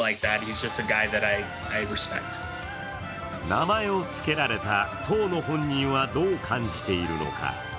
名前を付けられた当の本人は、どう感じているのか。